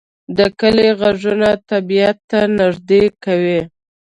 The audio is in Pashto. د کلی غږونه طبیعت ته نږدې کوي